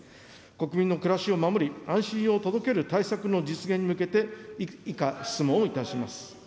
国民の暮らしを守り、安心を届ける対策の実現に向けて以下、質問をいたします。